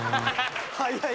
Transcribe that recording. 早い！